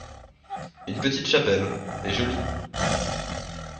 Une petite chapelle, et jolie.